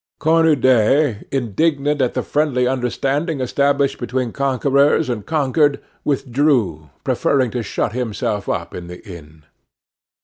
Cornudet indignant at the friendly understanding established between conquerors and conquered, withdrew, preferring to shut himself up in the inn.